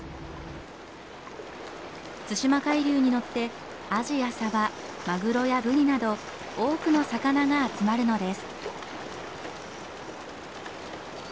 対馬海流に乗ってアジやサバマグロやブリなど多くの魚が集まるのです。